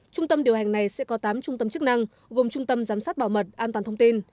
trung tâm điều hành này sẽ có tám trung tâm chức năng gồm trung tâm giám sát bảo mật an toàn thông tin